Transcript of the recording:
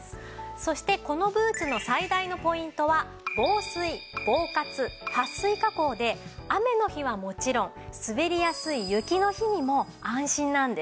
そしてこのブーツの最大のポイントは防水防滑撥水加工で雨の日はもちろん滑りやすい雪の日にも安心なんです。